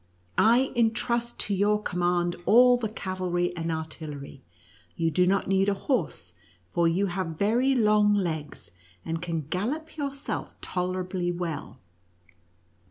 I intrust to your command all the cavalry and artillery. You do not need a horse, for you have very long legs, and can gallop yourself tolerably well.